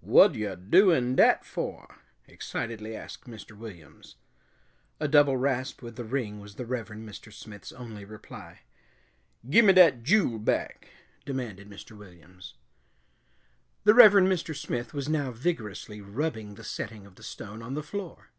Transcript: "Whad yo' doin' dat for?" excitedly asked Mr. Williams. A double rasp with the ring was the Reverend Mr. Smith's only reply. "Gimme dat jule back!" demanded Mr. Williams. The Reverend Mr. Smith was now vigorously rubbing the setting of the stone on the floor.